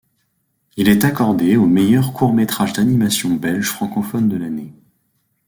Il est accordé au meilleur court métrage d'animation belge francophone de l'année.